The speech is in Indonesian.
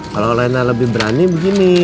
kalau lena lebih berani begini